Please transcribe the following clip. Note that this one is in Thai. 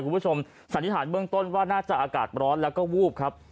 สันนิษฐานเบื้องต้นว่าน่าจะอากาศร้อนแล้วก็วูบครับ